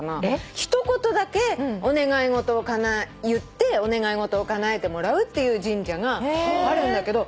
一言だけお願い事を言ってお願い事をかなえてもらうっていう神社があるんだけど。